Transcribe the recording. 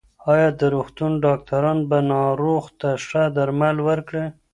ایا د روغتون ډاکټران به ناروغ ته ښه درمل ورکړي؟